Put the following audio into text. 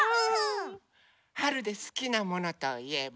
はるですきなものといえば？